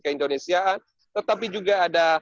keindonesiaan tetapi juga ada